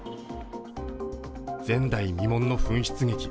前代未聞の紛失劇。